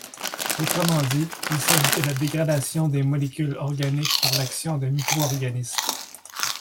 Autrement dit, il s'agit de la dégradation des molécules organiques par l'action de micro-organismes.